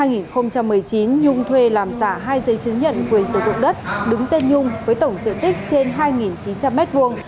năm hai nghìn một mươi chín nhung thuê làm giả hai giấy chứng nhận quyền sử dụng đất đứng tên nhung với tổng diện tích trên hai chín trăm linh m hai